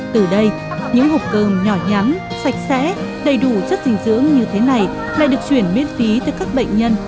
từ đây những hộp cơm nhỏ nhắn sạch sẽ đầy đủ chất dinh dưỡng như thế này lại được chuyển miễn phí từ các bệnh nhân